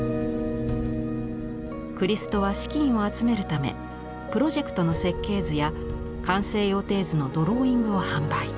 クリストは資金を集めるためプロジェクトの設計図や完成予定図のドローイングを販売。